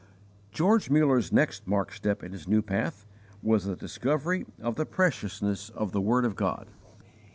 George Muller's next marked step in his new path was _the discovery of the preciousness of the word of God.